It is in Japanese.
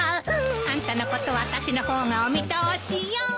あんたのことはあたしの方がお見通しよ。